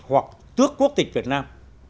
hoặc tước quốc tịch việt nam